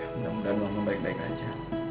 mudah mudahan lama baik baik aja